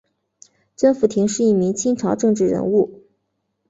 甄辅廷是一名清朝政治人物。